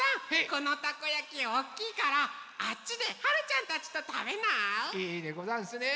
このたこやきおっきいからあっちではるちゃんたちとたべない？いいでござんすね！